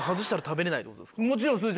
もちろん。